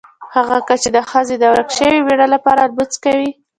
هغه کس چې د ښځې د ورک شوي مېړه لپاره لمونځ کوي.